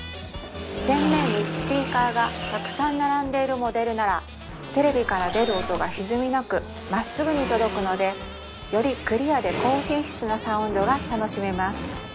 前面にスピーカーがたくさん並んでいるモデルならテレビから出る音がひずみなくまっすぐに届くのでよりクリアで高品質なサウンドが楽しめます